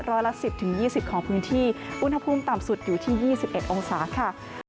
ร้อยละสิบถึงยี่สิบของพื้นที่อุณหภูมิต่ำสุดอยู่ที่ยี่สิบเอ็ดองศาค่ะ